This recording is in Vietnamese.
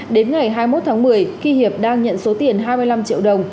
đến ngày hai mươi một tháng một mươi khi hiệp đang nhận số tiền hai mươi năm triệu đồng